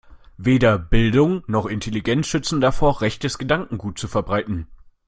Weder Bildung noch Intelligenz schützen davor, rechtes Gedankengut zu verbreiten.